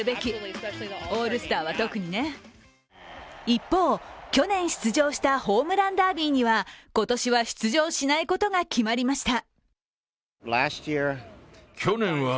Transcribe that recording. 一方、去年出場したホームランダービーには今年は出場しないことが決まりました。